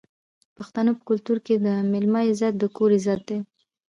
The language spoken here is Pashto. د پښتنو په کلتور کې د میلمه عزت د کور عزت دی.